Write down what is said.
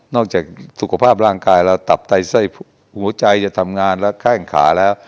นอกจากสุขภาพร่างกายเราตับใต้ไส้หัวใจจะทำงานแล้วคล้ายข้างขาแล้ว